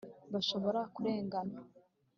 bashobora kurengana